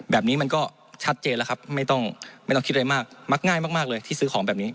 แบบนี้มันก็ชัดเจนไม่ต้องคิดอะไรมากมักง่ายมากเลยที่ซื้อของแบบนี้